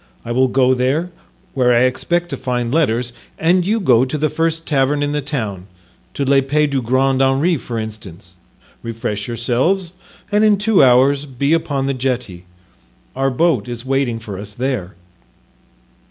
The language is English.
I will go there, where I expect to find letters, and you go to the first tavern in the town, to L'Epee du Grand Henri for instance, refresh yourselves, and in two hours be upon the jetty; our boat is waiting for us there."